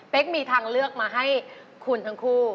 เป็นมีทางเลือกมาให้คุณทั้งคู่